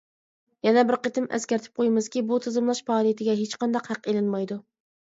يەنە بىر قېتىم ئەسكەرتىپ قويىمىزكى بۇ تىزىملاش پائالىيىتىگە ھېچقانداق ھەق ئېلىنمايدۇ .